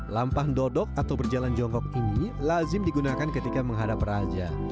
lampah dodok atau berjalan jongkok ini lazim digunakan ketika menghadap raja